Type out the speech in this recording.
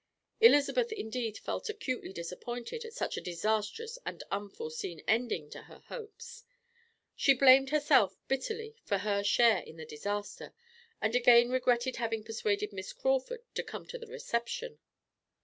Elizabeth indeed felt acutely disappointed at such a disastrous and unforeseen ending to her hopes. She blamed herself bitterly for her share in the disaster, and again regretted having persuaded Miss Crawford to come to the reception.